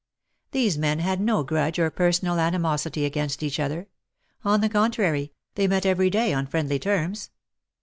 These men had no grudge or personal ani mosity against each other : on the contrary, they met every day on friendly terms.